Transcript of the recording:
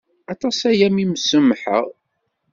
Aṭas-aya mi m-sumḥeɣ.